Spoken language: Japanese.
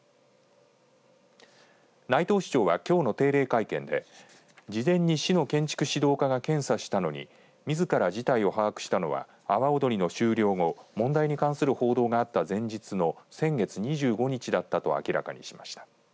内藤市長はきょうの定例会見で事前に市の建築指導課が検査したのにみずから事態を把握したのは阿波おどりの終了後問題に関する報道があった前日の先月２５日だったと明らかにしました。